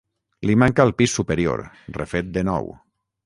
Li manca el pis superior, refet de nou.